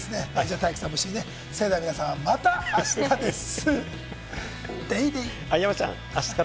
体育さんも一緒にそれでは皆さん、またあしたです。